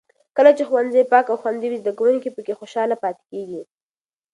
کله چې ښوونځي پاک او خوندي وي، زده کوونکي پکې خوشحاله پاتې کېږي.